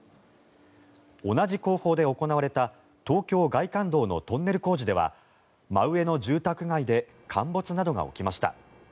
同じ工法で行われた東京外環道のトンネル工事では真上の住宅街で陥没などが起きました。